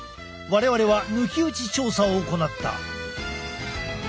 我々は抜き打ち調査を行った。